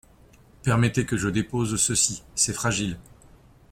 Permettez que je dépose ceci, c’est fragile.